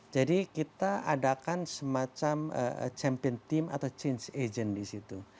jadi kita adakan semacam champion team atau change agent disitu